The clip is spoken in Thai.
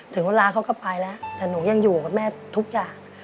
ถึงเวลาเขาก็ไปแล้วแต่หนูยังอยู่กับแม่ทุกอย่าง